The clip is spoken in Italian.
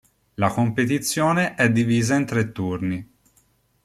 La competizione è divisa in tre turni.